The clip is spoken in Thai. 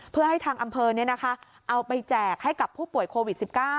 เพื่อให้ทางอำเภอเอาไปแจกให้กับผู้ป่วยโควิด๑๙